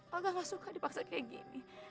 papa nggak suka dipaksa kayak gini